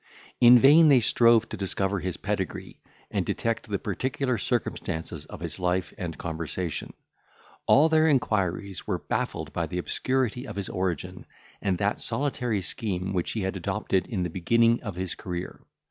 In vain they strove to discover his pedigree, and detect the particular circumstances of his life and conversation; all their inquiries were baffled by the obscurity of his origin, and that solitary scheme which he had adopted in the beginning of his career.